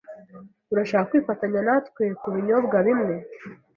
Urashaka kwifatanya natwe kubinyobwa bimwe?